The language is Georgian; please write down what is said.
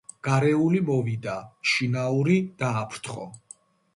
გარეული მოვიდა, შინაური დააფრთხო.